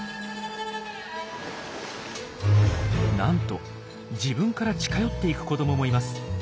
なんと自分から近寄っていく子どももいます。